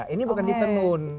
ini bukan di tenun